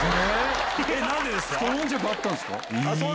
何でですか？